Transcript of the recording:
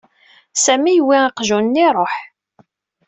Sami yewwi aqjun-nni, iṛuḥ.